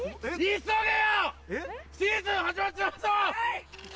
急げよ！